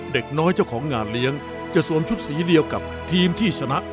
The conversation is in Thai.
เด็กน้อยเจ้าของงานเลี้ยงจะสวมชุดสีเดียวกับทีมที่ชนะ